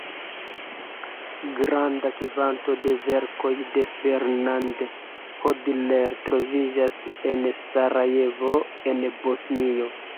Granda kvanto de verkoj de Ferdinand Hodler troviĝas en Sarajevo, en Bosnio.